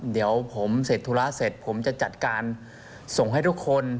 เดี๋ยวผมเสร็จธุระเสร็จผมจะจัดการส่งให้ทุกคน